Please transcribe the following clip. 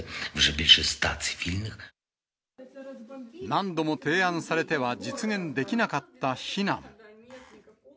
何度も提案されては、実現できなかった避難。